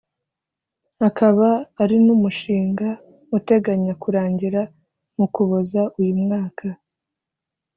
akaba ari n’umushinga uteganya kurangira mu Ukuboza uyu mwaka